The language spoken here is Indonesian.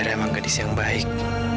nam zaira emang gadis yang baik